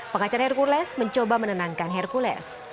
pengacara hercules mencoba menenangkan hercules